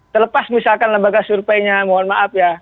terlepas misalkan lembaga surveinya mohon maaf ya